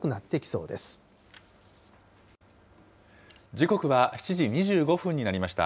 時刻は７時２５分になりました。